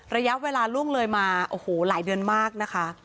ระยะเวลาล่วงเลยมาโอ้โหหลายเดือนมากนะคะ